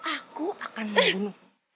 aku akan membunuhmu